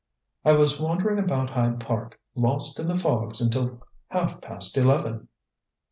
"I was wandering about Hyde Park, lost in the fogs until half past eleven."